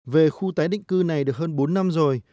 về khu tái định cư này được hơn bốn năm rồi